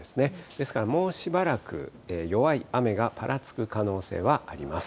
ですから、もうしばらく弱い雨がぱらつく可能性はあります。